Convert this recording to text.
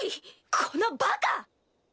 このバカ！